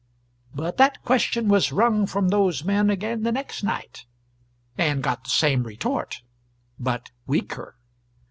But that question was wrung from those men again the next night and got the same retort. But weaker.